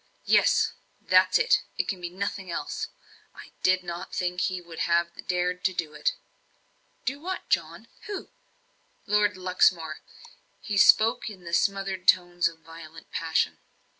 "Yes that's it it can be nothing else! I did not think he would have dared to do it." "Do what, John? Who?" "Lord Luxmore." He spoke in the smothered tones of violent passion.